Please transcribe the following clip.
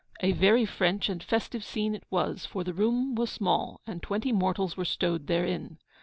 A very French and festive scene it was; for the room was small, and twenty mortals were stowed therein.